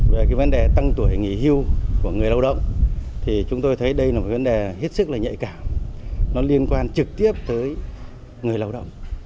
về cái vấn đề tăng tuổi nghỉ hưu của người lao động thì chúng tôi thấy đây là một vấn đề hết sức là nhạy cảm nó liên quan trực tiếp tới người lao động